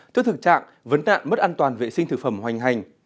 tức thực trạng vấn đạn mất an toàn vệ sinh thực phẩm hoành hành